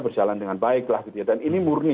berjalan dengan baik lah gitu ya dan ini murni